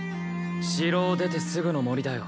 城を出てすぐの森だよ。